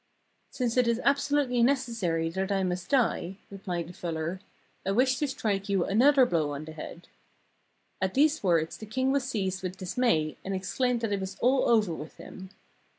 'Since it is absolutely necessary that I must die,' replied the fuller, 'I wish to strike you an other blow on the head.' At these words the king was seized with dismay and exclaimed that it was all over with him.